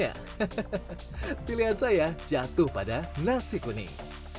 hahaha pilihan saya jatuh pada nasi kuning